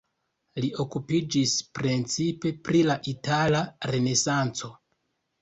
Li okupiĝis precipe pri la itala renesanco.